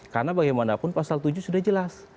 karena bagaimanapun pasal tujuh sudah jelas